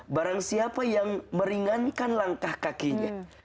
barang siapa yang meringankan langkah kakinya